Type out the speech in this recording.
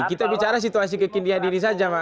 kita bicara situasi kekinian ini saja pak